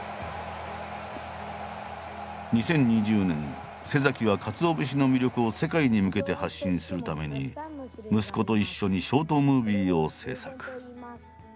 ２０２０年は鰹節の魅力を世界に向けて発信するために息子と一緒にショートムービーを制作。